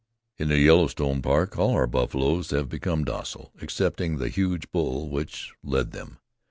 "In the Yellowstone Park all our buffaloes have become docile, excepting the huge bull which led them.